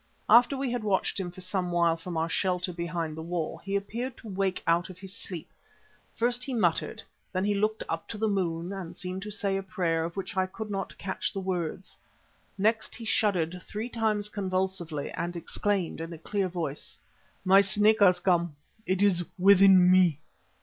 After we had watched him for some while from our shelter behind the wall he appeared to wake out of his sleep. First he muttered; then he looked up to the moon and seemed to say a prayer of which I could not catch the words. Next he shuddered three times convulsively and exclaimed in a clear voice: "My Snake has come. It is within me.